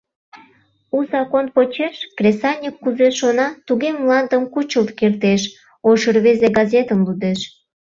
«У закон почеш, кресаньык кузе шона, туге мландым кучылт кертеш, — ош рвезе газетым лудеш.